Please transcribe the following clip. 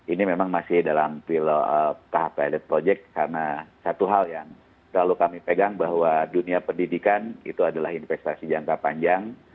ini memang masih dalam tahap pilot project karena satu hal yang selalu kami pegang bahwa dunia pendidikan itu adalah investasi jangka panjang